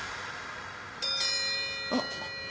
あっ。